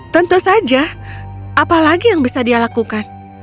tentu saja apa lagi yang bisa dia lakukan